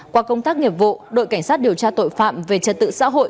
qua công tác nghiệp vụ đội cảnh sát điều tra tội phạm về trật tự xã hội